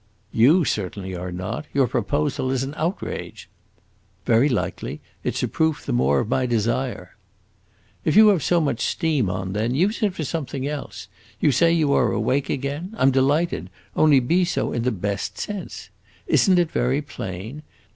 "You certainly are not. Your proposal is an outrage." "Very likely. It 's a proof the more of my desire." "If you have so much steam on, then, use it for something else. You say you are awake again. I am delighted; only be so in the best sense. Is n't it very plain?